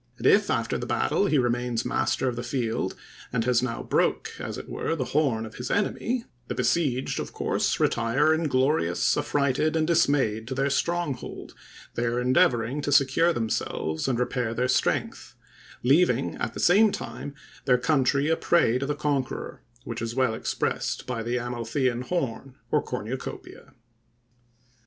And if after the battle he remains master of the field, and has now broke, as it were, the horn of his enemy, the besieged, of course, retire inglorious, affrighted, and dismayed, to their stronghold, there endeavoring to secure themselves, and repair their strength; leaving, at the same time, their country a prey to the conqueror, which is well expressed by the Amalthean horn, or cornucopia.